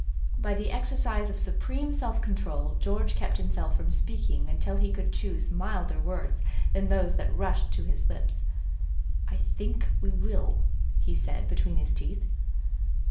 By the exercise of supreme self control George kept himself from speaking until he could choose milder words than those that rushed to his lips. "I think we will!" he said between his teeth.